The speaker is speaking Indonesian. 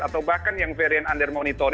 atau bahkan yang variant underprivileged